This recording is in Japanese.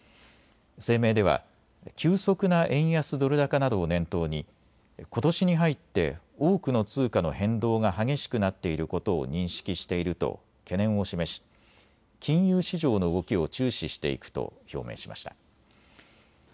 声明では急速な円安ドル高などを念頭に、ことしに入って多くの通貨の変動が激しくなっていることを認識していると懸念を示し金融市場の動きを注視していくと表明しました。